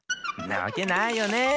なわけないよね。